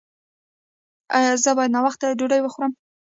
ایا زه باید ناوخته ډوډۍ وخورم؟